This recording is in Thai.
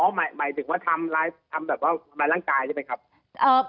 หมายถึงว่าทำแบบว่าทำร้ายร่างกายใช่ไหมครับ